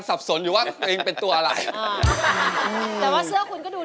เสื้ออะไรคุณรู้